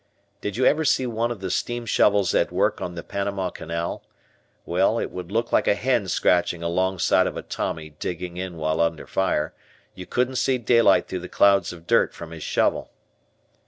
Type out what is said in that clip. Did you ever see one of the steam shovels at work on the Panama Canal, well, it would look like a hen scratching alongside of a Tommy "digging in" while under fire, you couldn't see daylight through the clouds of dirt from his shovel.